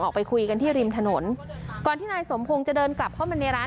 ออกไปคุยกันที่ริมถนนก่อนที่นายสมพงศ์จะเดินกลับเข้ามาในร้าน